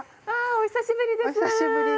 お久しぶりです。